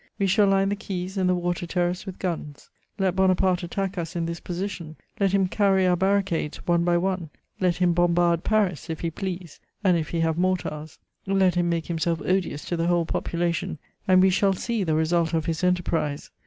We shall line the quays and the water terrace with guns: let Bonaparte attack us in this position; let him carry our barricades one by one; let him bombard Paris, if he please and if he have mortars; let him make himself odious to the whole population, and we shall see the result of his enterprise!